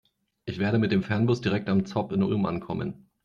Ich werde mit dem Fernbus direkt am ZOB in Ulm ankommen.